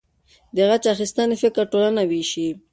د غچ اخیستنې فکر ټولنه ویشي.